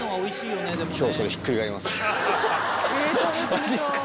マジっすか？